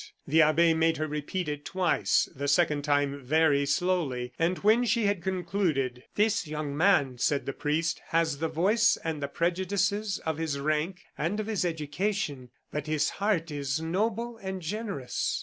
The abbe made her repeat it twice, the second time very slowly, and when she had concluded: "This young man," said the priest, "has the voice and the prejudices of his rank and of his education; but his heart is noble and generous."